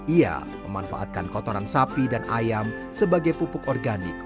ia memanfaatkan kotoran sapi dan ayam sebagai pupuk organik